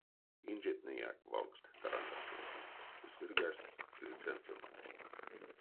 Инжетнеяк валгсть тарантасстонть ды сыргасть крыльцянть ёнов.